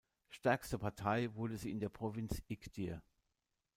Stärkste Partei wurde sie in der Provinz Iğdır.